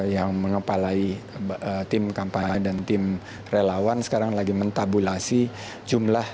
yang mengepalai tim kampanye dan tim relawan sekarang lagi mentabulasi jumlah